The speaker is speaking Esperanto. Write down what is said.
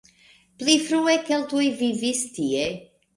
Pli frue keltoj vivis tie.